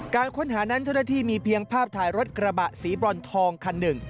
การค้นหานั้นเจ้าหน้าที่มีเพียงภาพถ่ายรถกระบะสีบรอนทองคันหนึ่ง